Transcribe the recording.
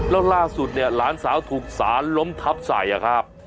แล้วล่าสุดเนี่ยหลานสาวถูกสารล้มทับใส่อะครับ